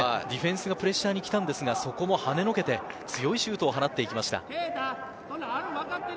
ディフェンスがプレッシャーできたんですがそこもはねのけて強いシュートを放っていきました。